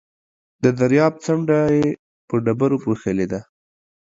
د درياب څنډه يې په ډبرو پوښلې ده.